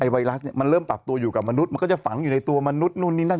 ไวรัสเนี่ยมันเริ่มปรับตัวอยู่กับมนุษย์มันก็จะฝังอยู่ในตัวมนุษย์นู่นนี่นั่น